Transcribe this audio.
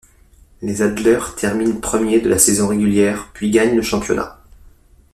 Les Adler terminent premiers de la saison régulière puis gagnent le championnat.